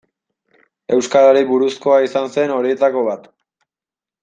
Euskarari buruzkoa izan zen horietako bat.